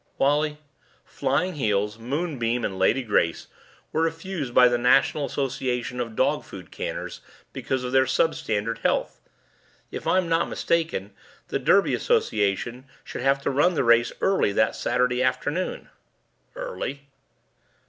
"Wally, Flying Heels, Moonbeam, and Lady Grace were refused by the National Association Of Dog Food Canners because of their substandard health. If I'm not mistaken, the Derby Association should have to run the race early that Saturday afternoon." "Early?"